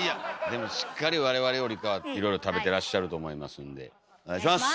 でもしっかり我々よりかはいろいろ食べてらっしゃると思いますんでお願いします！